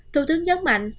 thủ tướng nhấn mạnh